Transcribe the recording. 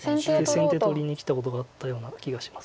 先手取りにきたことがあったような気がします。